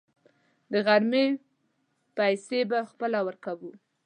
د غرمې پیسې به خپله ورکوو.